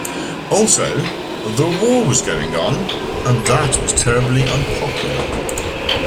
Also, the war was going on, and that was terribly unpopular.